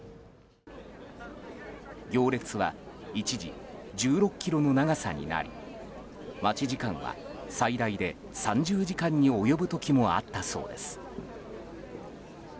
行列は、一時１６ｋｍの長さになり待ち時間は最大で３０時間に及ぶ時もあったそうです。